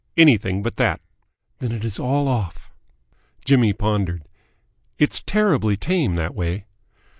"Anything but that." "Then it is all off!" Jimmy pondered. "It's terribly tame that way."